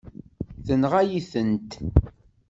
Tenɣa-yi-tent.